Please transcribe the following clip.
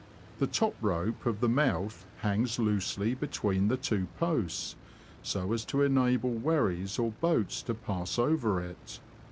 The top rope of the mouth hangs loosely between the two posts, so as to enable wherries or boats to pass over it.